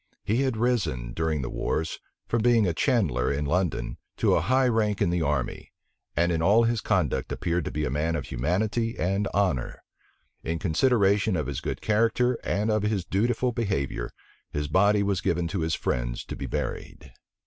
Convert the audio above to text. He had risen, during the wars, from being a chandler in London, to a high rank in the army; and in all his conduct appeared to be a man of humanity and honor. In consideration of his good character and of his dutiful behavior, his body was given to his friends to be buried.